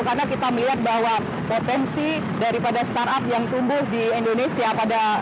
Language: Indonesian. karena kita melihat bahwa potensi daripada startup yang tumbuh di indonesia pada